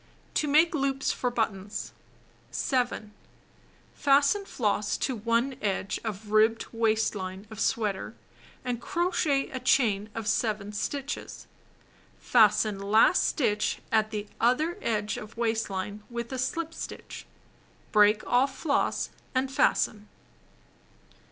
To Make Loops for Buttons 7. Fasten floss to one edge of ribbed waist line of sweater, and crochet a chain of 7 stitches. Fasten last stitch at other edge of waist line with a slip stitch. Break off floss and fasten.